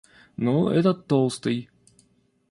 Ну, этот толстый.